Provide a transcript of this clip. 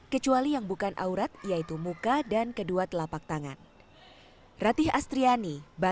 kecuali yang bukan aurat yaitu muka dan kedua telapak tangan